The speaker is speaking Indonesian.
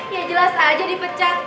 ya jelas aja dipecat